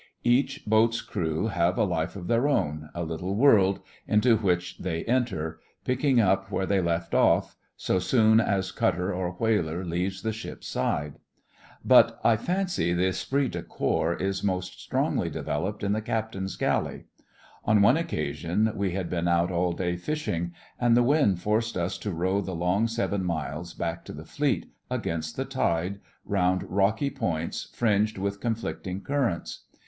Each boat's crew have a life of their own, a little world, into which they enter, picking up where they left off, so soon as cutter or whaler leaves the ship's side; but I fancy the esprit de corps is most strongly developed in the Captain's galley. On one occasion we had been out all day fishing, and the wind forced us to row the long seven miles back to the fleet, against the tide, round rocky points fringed with conflicting currents.